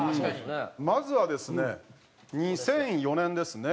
まずはですね２００４年ですね。